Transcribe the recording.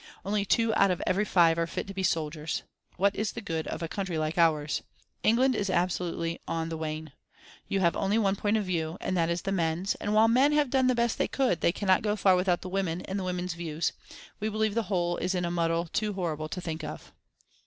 Only two out of every five are fit to be soldiers. What is the good of a country like ours? England is absolutely on the wane. You only have one point of view, and that is the men's, and while men have done the best they could, they cannot go far without the women and the women's views. We believe the whole is in a muddle too horrible to think of."